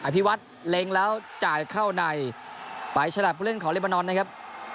ภิวัฒน์เล็งแล้วจ่ายเข้าในไปฉลับผู้เล่นของเลบานอนนะครับ